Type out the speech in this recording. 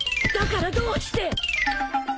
だからどうして！？